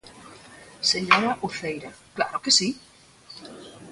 Señora Uceira, ¡claro que si!